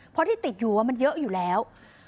เพราะที่ติดอยู่มันเยอะอยู่แล้ว